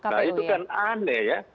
nah itu kan aneh ya